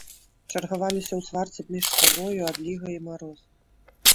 Чаргаваліся ў сварцы між сабою адліга і мароз.